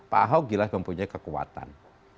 pak ahok jelas mempunyai kekuatan